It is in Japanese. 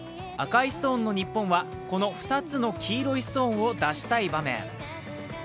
赤いストーンの日本はこの２つの黄色いストーンを出したい場面。